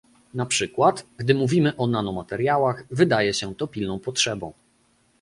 Na przykład, gdy mówimy o nanomateriałach, wydaje się to pilną potrzebą